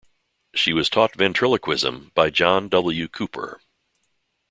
She was taught ventriloquism by John W. Cooper.